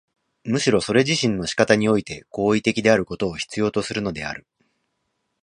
むしろそれ自身の仕方において行為的であることを必要とするのである。